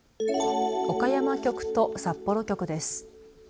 岡山局と札幌局です。